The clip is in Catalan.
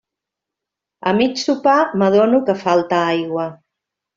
A mig sopar m'adono que falta aigua.